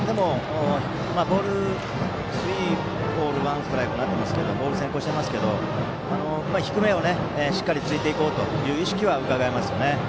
スリーボールワンストライクになってボール先行してますけど低めをしっかりついていこうという意識はうかがえますよね。